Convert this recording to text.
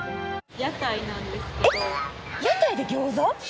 屋台で餃子？